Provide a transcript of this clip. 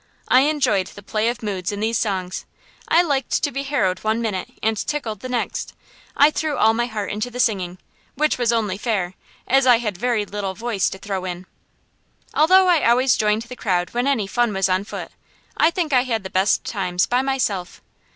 I enjoyed the play of moods in these songs I liked to be harrowed one minute and tickled the next. I threw all my heart into the singing, which was only fair, as I had very little voice to throw in. Although I always joined the crowd when any fun was on foot, I think I had the best times by myself.